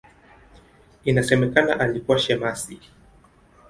Inasemekana alikuwa shemasi.